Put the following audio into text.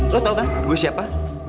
lo tau kan gue siapa